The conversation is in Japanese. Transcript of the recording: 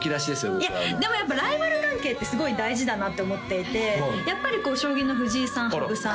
僕はでもやっぱりライバル関係ってすごい大事だなって思っていてやっぱり将棋の藤井さん羽生さん